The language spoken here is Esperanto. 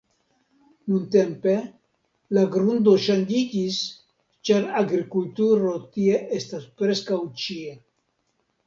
Nuntempe, la grundo ŝanĝiĝis ĉar agrikulturo tie estas preskaŭ ĉie.